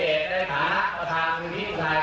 ท่านขนของออกไปนะครับเพราะว่าท่านกำลังถูกลุกที่ฐานะ